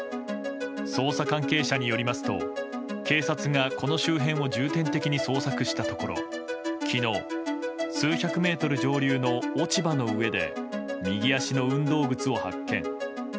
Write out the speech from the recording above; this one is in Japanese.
捜査関係者によりますと警察が、この周辺を重点的に捜索したところ昨日、数百メートル上流の落ち葉の上で右足の運動靴を発見。